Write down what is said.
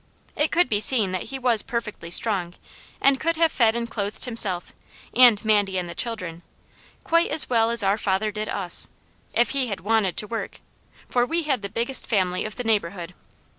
It could be seen that he was perfectly strong, and could have fed and clothed himself, and Mandy and the children, quite as well as our father did us, if he had wanted to work, for we had the biggest family of the neighbourhood.